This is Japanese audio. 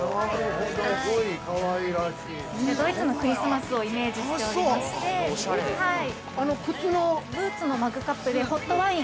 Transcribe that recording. ◆こちら、ドイツのクリスマスをイメージしておりましてブーツのマグカップでホットワイン。